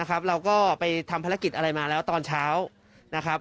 เราก็ไปทำภารกิจอะไรมาแล้วตอนเช้านะครับ